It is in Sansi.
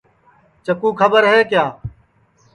چکُُو کھٻر ہے کیا